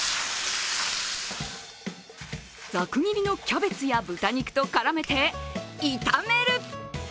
ざく切りのキャベツや豚肉と絡めて、炒める。